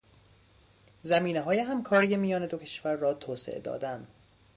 زمینههای همکاری میان دو کشور را توسعه دادن